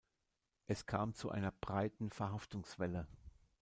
Es kam zu einer breiten Verhaftungswelle.